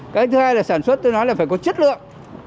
cái thứ hai là sản xuất tôi nói là phải có chất lượng